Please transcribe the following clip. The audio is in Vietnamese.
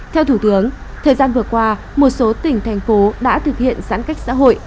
theo thủ tướng thời gian vừa qua một số tỉnh thành phố đã thực hiện giãn cách xã hội